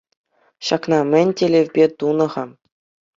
Ҫакна мӗн тӗллевпе тунӑ-ха?